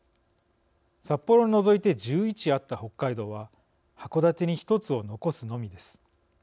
札幌を除いて１１あった北海道は函館に１つを残すのみです。